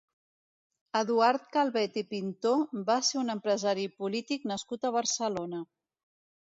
Eduard Calvet i Pintó va ser un empresari i polític nascut a Barcelona.